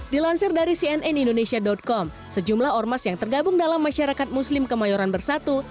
dilansir dari cnn indonesia com sejumlah ormas yang tergabung dalam masyarakat muslim kemayoran bersatu